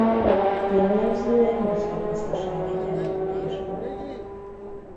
Jellemzően mezőgazdasági település volt.